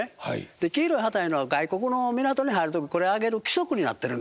で黄色い旗いうのは外国の港に入る時これ揚げる規則になってるんですわ。